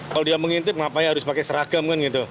kalau dia mengintip kenapa harus pakai seragam